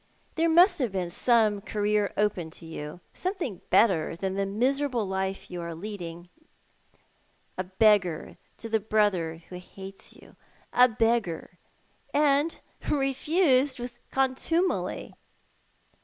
There must have been some career open to you— something better than the miserable life you are leading; now — a beggar to the brother who hates you — a beggar, and refused with contumely."